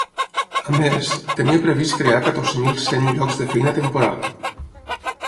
A més, tenia previst crear catorze mil cent llocs de feina temporal.